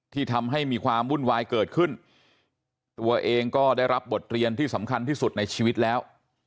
ทำให้มีความวุ่นวายเกิดขึ้นตัวเองก็ได้รับบทเรียนที่สำคัญที่สุดในชีวิตแล้ว